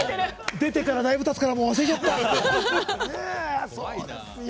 出てからだいぶたつから忘れちゃった。